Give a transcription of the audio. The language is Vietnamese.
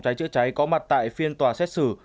cháy chữa cháy có mặt tại phiên tòa xét xử